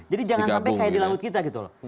jadi jangan sampai kayak di laut kita gitu loh